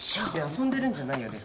遊んでるんじゃないよね？